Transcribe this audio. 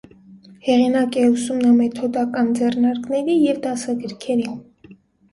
Հեղինակ է ուսումնամեթոդական ձեռնարկների և դասագրքերի։